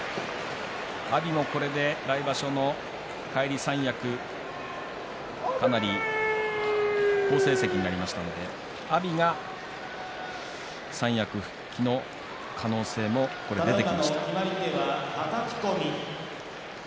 阿炎もこれで来場所の返り三役かなり好成績になりましたので阿炎は三役復帰の可能性も出てきました。